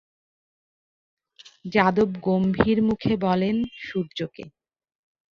যাদব গম্ভীর মুখে বলেন, সূর্যকে।